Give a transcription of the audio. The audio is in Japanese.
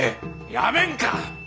やめんか！